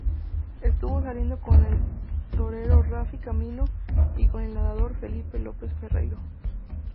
Estuvo saliendo con el torero Rafi Camino y con el nadador Felipe López Ferreiro.